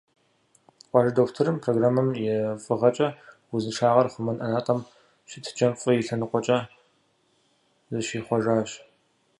«Къуажэ дохутыр» программэм и фӀыгъэкӀэ, узыншагъэр хъумэн ӀэнатӀэм щытыкӀэм фӀы и лъэныкъуэкӀэ зыщихъуэжащ.